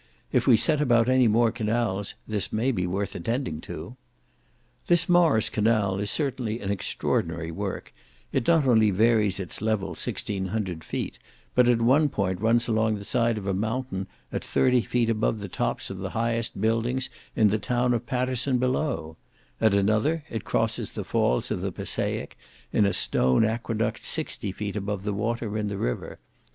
If we set about any more canals, this may be worth attending to. This Morris canal is certainly an extraordinary work; it not only varies its level sixteen hundred feet, but at one point runs along the side of a mountain at thirty feet above the tops of the highest buildings in the town of Paterson, below; at another it crosses the falls of the Passaic in a stone aqueduct sixty feet above the water in the river.